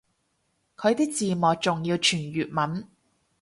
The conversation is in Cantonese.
佢啲字幕仲要全粵文